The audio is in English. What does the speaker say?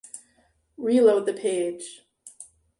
Reload the page